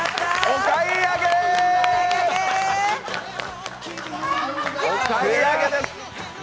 お買い上げです！